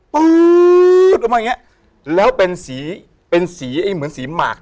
ปุ๊บออกมาอย่างนี้แล้วเป็นสีเป็นสีเหมือนสีหมากนี่ครับ